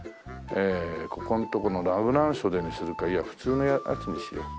えここのところのラグラン袖にするかいや普通のやつにしよう。